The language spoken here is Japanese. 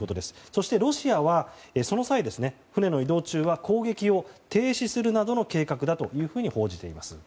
そしてロシアはその際に、船の移動中は攻撃を停止するなどの計画だというふうに報じています。